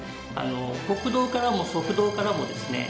国道からも側道からもですね